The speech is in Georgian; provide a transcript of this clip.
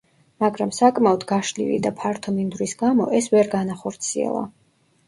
მაგრამ საკმაოდ გაშლილი და ფართო მინდვრის გამო, ეს ვერ განახორციელა.